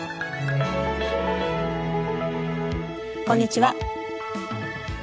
こんにちは。